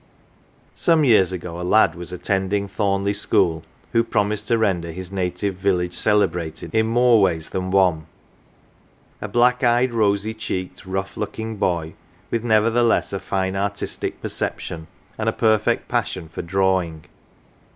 Some years ago a lad was attending Thornleigh school who promised to render his native village cele brated in more ways than one. A black eyed, rosy cheeked, rough looking boy, with nevertheless a fine artistic perception, and a perfect passion for drawing.